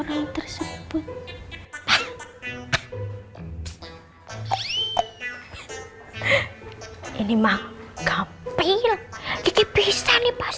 rata rata nilai uas delapan belas siswa kelas a adalah delapan lima